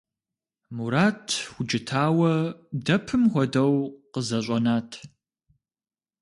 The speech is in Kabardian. Мурат, укӀытауэ, дэпым хуэдэу къызэщӀэнат.